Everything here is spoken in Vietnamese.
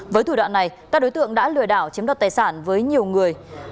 với thủ đoạn này các đối tượng đã lừa đảo chiếm đoạt tài sản với nhiều người